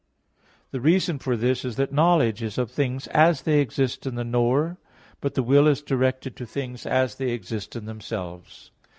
The reason for this is that knowledge is of things as they exist in the knower; but the will is directed to things as they exist in themselves.